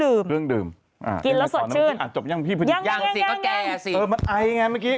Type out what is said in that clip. เป็นเครื่องดื่มกินแล้วสดชื่นยังไงก็แก้อะสิเออไอ้ไงเมื่อกี้